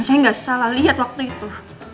saya gak salah liat waktu itu